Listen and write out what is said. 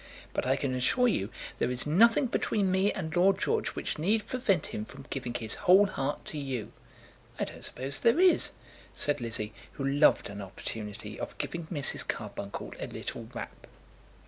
But I can assure you there is nothing between me and Lord George which need prevent him from giving his whole heart to you." "I don't suppose there is," said Lizzie, who loved an opportunity of giving Mrs. Carbuncle a little rap.